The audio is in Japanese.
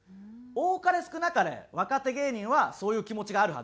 多かれ少なかれ若手芸人はそういう気持ちがあるはず。